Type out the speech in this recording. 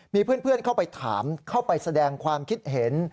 มีเพื่อนเข้าไปถามเข้าไปแสดงความคิดเห็น